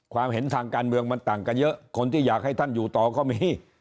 เห็นทางการเมืองมันต่างกันเยอะคนที่อยากให้ท่านอยู่ต่อก็มี